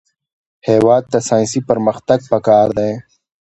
هېواد ته ساینسي پرمختګ پکار دی